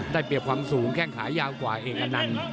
ได้เปรียบความสูงแค่ขายาวกว่าเอกนั้น